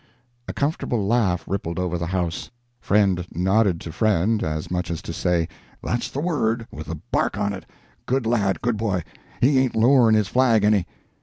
A comfortable laugh rippled over the house; friend nodded to friend, as much as to say, "That's the word, with the bark on it. Good lad, good boy. He ain't lowering his flag any!"